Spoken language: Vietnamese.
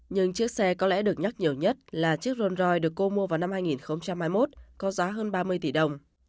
nhưng chiếc xe có lẽ được nhắc nhiều nhất là chiếc ron roy được cô mua vào năm hai nghìn hai mươi một có giá hơn ba mươi tỷ đồng